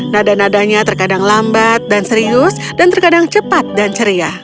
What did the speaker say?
nada nadanya terkadang lambat dan serius dan terkadang cepat dan ceria